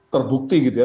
terbukti gitu ya